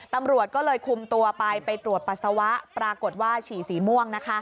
ตำรวจก็เลยคุมตัวไปไปตรวจปัสสาวะปรากฏว่าฉี่สีม่วงนะคะ